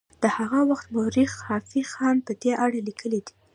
د هغه وخت مورخ خافي خان په دې اړه لیکلي دي.